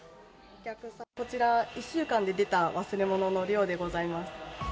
こちら、１週間で出た忘れ物の量でございます。